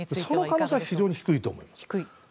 その可能性は非常に低いと思います。